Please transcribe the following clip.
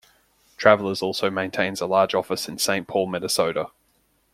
Travelers also maintains a large office in Saint Paul, Minnesota.